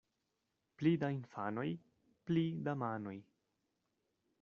Pli da infanoj, pli da manoj.